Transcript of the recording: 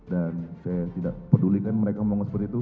dan saya tidak pedulikan mereka ngomong seperti itu